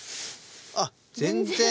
あっ全然。